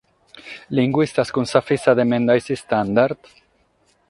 Linguistas cun sa fissa de emendare su standard?